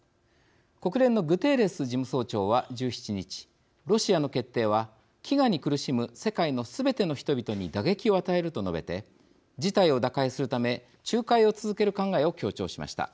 国連のグテーレス事務総長は１７日ロシアの決定は飢餓に苦しむ世界のすべての人々に打撃を与えると述べて事態を打開するため仲介を続ける考えを強調しました。